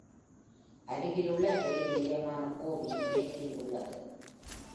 அருகிலுள்ள ரயில் நிலையமான கோர்பி மேற்கில் உள்ளது.